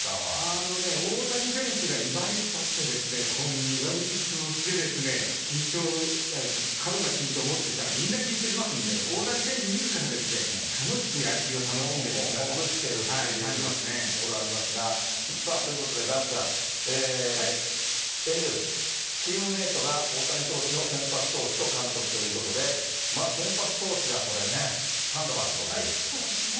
あのね、大谷選手がいばりくさって、苦虫潰してですね、緊張、過度な緊張もってしたらみんな緊張しますんで、大谷選手みずから、ほぐしてるっていうところありますが、さあ、ということで、岩ちゃん、エンゼルス、チームメートが大谷投手の先発投手と監督ということで、先発投手がこれね、そうですね。